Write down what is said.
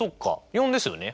４ですよね。